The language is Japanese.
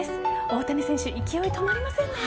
大谷選手、勢い止まりませんね。